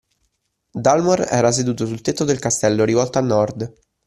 Dalmor era seduto sul tetto del castello, rivolto a nord